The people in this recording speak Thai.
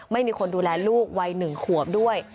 ไม่มีคนดูแลลูกวัย๑ขวบด้วย